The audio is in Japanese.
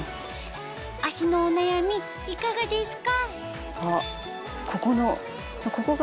足のお悩みいかがですか？